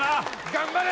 「頑張れ！」